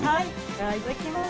じゃいただきます。